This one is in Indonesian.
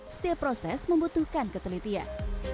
setiap proses membutuhkan ketelitian